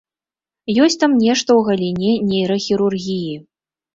Ёсць там нешта ў галіне нейрахірургіі.